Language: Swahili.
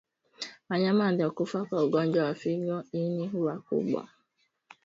Wanyama waliokufa kwa ugonjwa wa figo ini huwa kubwa